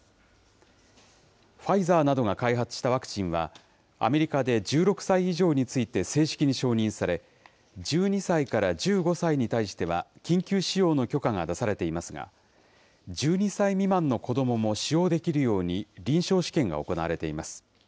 ファイザーなどが開発したワクチンは、アメリカで１６歳以上について正式に承認され、１２歳から１５歳に対しては緊急使用の許可が出されていますが、１２歳未満の子どもも使用できるように臨床試験が行われています。